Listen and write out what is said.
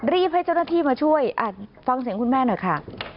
รีบให้เจ้าหน้าที่มาช่วยฟังเสียงคุณแม่หน่อยค่ะ